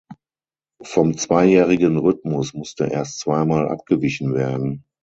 Vom zweijährigen Rhythmus musste erst zweimal abgewichen werden.